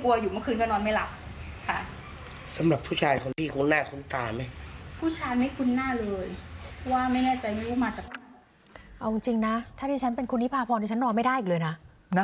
แล้วก็ทีนี้พอหลังจากนั้นหนูก็เลยติดกล้องเลยก็เลยเห็นเป็นหลักฐานก็เลยเอาไปแจ้งตำรวจ